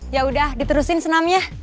ya udah diterusin senamnya